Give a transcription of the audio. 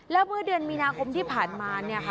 แล้วเมื่อเดือนมีนาคมที่ผ่านมา